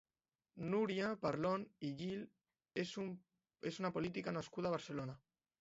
Núria Parlon i Gil és una política nascuda a Barcelona.